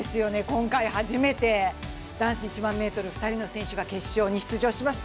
今回初めて男子１００００ｍ２人の選手が決勝に出場します。